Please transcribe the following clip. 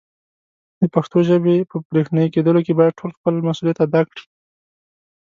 د پښتو ژبې په برښنایې کېدلو کې باید ټول خپل مسولیت ادا کړي.